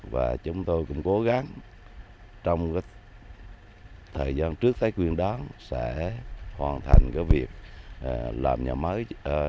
và chúng tôi cũng cố gắng trong thời gian trước thấy quyền đoán sẽ hoàn thành cái việc làm nhà mới